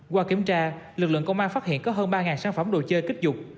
qua kiểm tra lực lượng công an phát hiện có hơn ba sản phẩm đồ chơi kích dục